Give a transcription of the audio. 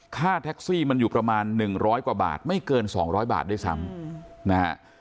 ค่าแท็กซี่มันอยู่ประมาณ๑๐๐กว่าบาทไม่เกิน๒๐๐บาทด้วยซ้ำนะฮะ